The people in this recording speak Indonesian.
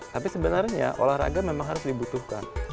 tapi sebenarnya olahraga memang harus dibutuhkan